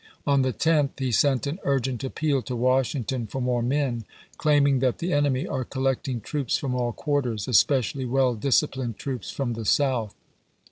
On the 10th he sent an urgent appeal to Washington for more men, claiming that the enemy " are collecting troops from all quarters, especially well disciplined troops from the South."